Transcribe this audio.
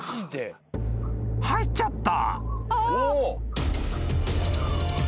［入っちゃった］